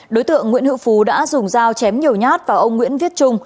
đối tượng nguyễn hữu phú đã dùng dao chém nhiều nhát vào ông nguyễn viết trung